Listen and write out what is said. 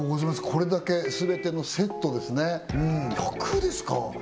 これだけすべてのセットですね１００ですか？